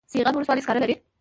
سیغان ولسوالۍ سکاره لري؟